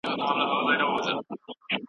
وزیر اکبرخان پنځه زره سرتیري گندمک ته ولیږل.